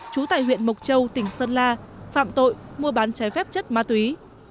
trú tại huyện mộc châu tỉnh sơn la phạm tội mua bán trái phép chất ma túy